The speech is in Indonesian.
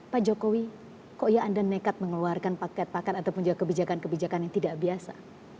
pak jokowi kok ya anda nekat mengeluarkan paket paket ataupun juga kebijakan kebijakan yang tidak biasa